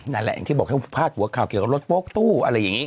อย่างที่บอกให้พาดหัวข่าวเกี่ยวกับรถโป๊กตู้อะไรอย่างนี้